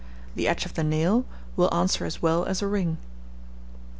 The edge of the nail will answer as well as a ring.